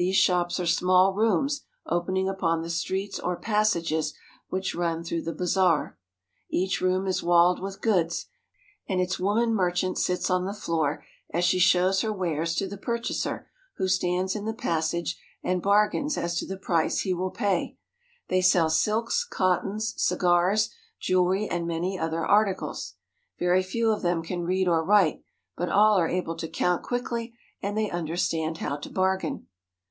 These shops are small rooms opening upon the streets or passages which run through the bazaar. Each room is walled with goods, and its woman merchant sits oh the floor as she shows her wares to the purchaser who stands in the passage and bargains as to the price he will pay. They sell silks, cottons, cigars, jewelry, and many other articles. Very few of them can read or write, but all are able to count quickly, and they understand how to bargain.